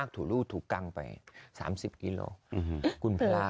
ถูกลูดถูกกังไป๓๐กิโลก์